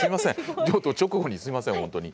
直後にすいません本当に。